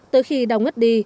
tới khi đau ngất đi